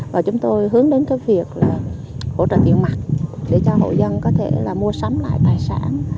và chúng tôi hướng đến cái việc là hỗ trợ tiền mặt để cho hội dân có thể là mua sắm lại tài sản